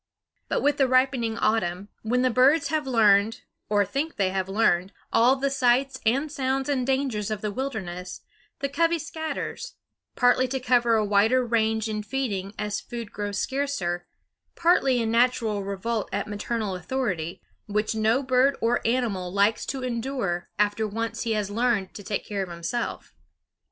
But with the ripening autumn, when the birds have learned, or think they have learned, all the sights and sounds and dangers of the wilderness, the covey scatters; partly to cover a wider range in feeding as food grows scarcer; partly in natural revolt at maternal authority, which no bird or animal likes to endure after he has once learned to take care of himself.